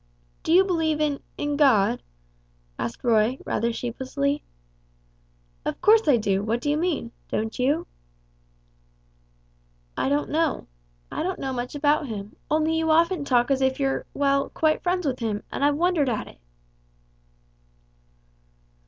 "Do you believe in in God?" asked Rob, rather sheepishly. "Of course I do; what do you mean? Don't you?" "I don't know. I don't know much about Him, only you often talk as if you're well quite friends with Him, and I've wondered at it."